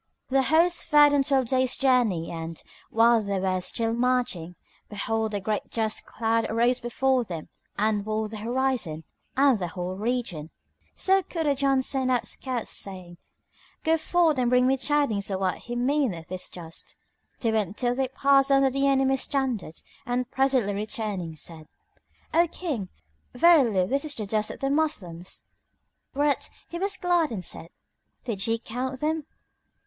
The host fared on twelve days' journey and, while they were still marching, behold, a great dust cloud arose before them and walled the horizon and the whole region. So Kurajan sent out scouts, saying, "Go forth and bring me tidings of what meaneth this dust." They went till they passed under the enemy's standards and presently returning said, "O King, verily this is the dust of the Moslems." Whereat he was glad and said, "Did ye count them?"